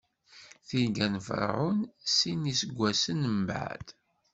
Tirga n Ferɛun Sin n iseggasen mbeɛd.